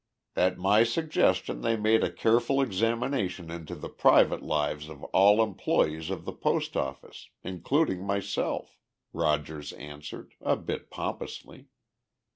"At my suggestion they made a careful examination into the private lives of all employees of the post office, including myself," Rogers answered, a bit pompously.